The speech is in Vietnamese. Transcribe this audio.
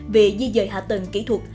về di dời hạ tầng kỹ thuật